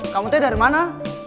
kamu tuh dari mana